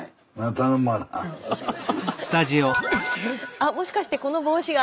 あもしかしてこの帽子が。